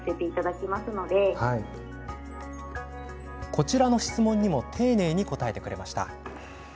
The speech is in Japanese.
こちらの質問にも丁寧に答えてくれました。